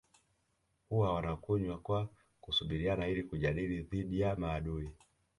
Huwa wanakunywa kwa kusubiriana ili kujilinda dhidi ya maadui